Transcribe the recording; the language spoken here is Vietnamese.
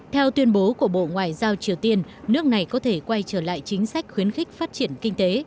theo tuyên bố của bộ ngoại giao triều tiên nước này có thể quay trở lại chính sách khuyến khích phát triển kinh tế